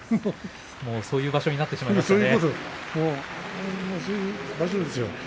そういう場所になってしまいましたね。